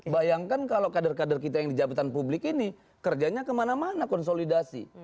bayangkan kalau kader kader kita yang di jabatan publik ini kerjanya kemana mana konsolidasi